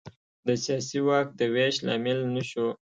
د سیاسي واک د وېش لامل نه شو.